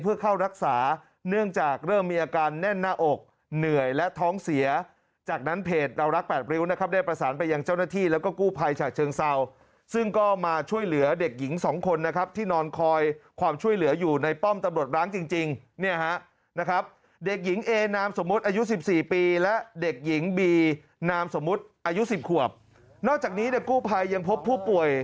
เผื่อยและท้องเสียจากนั้นเพจเรารักแปดริ้วนะครับได้ประสานไปยังเจ้าหน้าที่แล้วก็กู้ภัยจากเชิงเศร้าซึ่งก็มาช่วยเหลือเด็กหญิงสองคนนะครับที่นอนคอยความช่วยเหลืออยู่ในป้อมตำรวจร้างจริงเนี่ยนะครับเด็กหญิงเอนามสมมุติอายุ๑๔ปีและเด็กหญิงบีนามสมมุติอายุ๑๐ขวบนอกจากนี้เด็กกู้ภัยยังพบผู้ป่